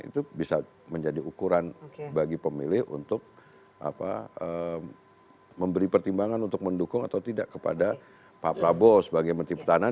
itu bisa menjadi ukuran bagi pemilih untuk memberi pertimbangan untuk mendukung atau tidak kepada pak prabowo sebagai menteri pertahanan